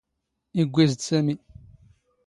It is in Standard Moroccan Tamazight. ⵉⴳⴳⵯⵉⵣ ⴷ ⵙⴰⵎⵉ.